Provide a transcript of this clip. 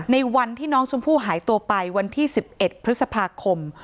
ในวันที่น้องชมพู่หายตัวไปวันที่๑๑พฤษภาคม